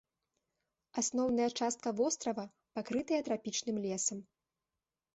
Асноўная частка вострава пакрытая трапічным лесам.